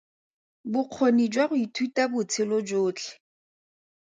Bokgoni jwa go ithuta botshelo jotlhe.